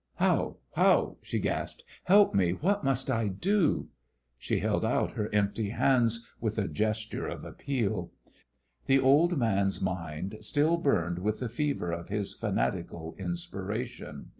"How? How?" she gasped. "Help me! What must I do?" She held out her empty hands with a gesture of appeal. The old man's mind still burned with the fever of his fanatical inspiration.